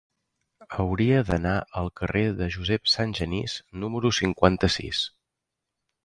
Hauria d'anar al carrer de Josep Sangenís número cinquanta-sis.